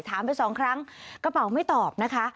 ไปสองครั้งกระเป๋าไม่ตอบนะคะ